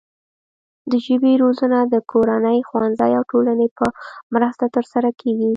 د ژبې روزنه د کورنۍ، ښوونځي او ټولنې په مرسته ترسره کیږي.